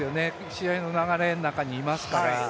試合の流れの中にいますから。